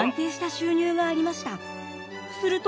すると。